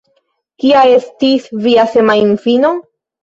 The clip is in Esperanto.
Kia estis via semajnfino?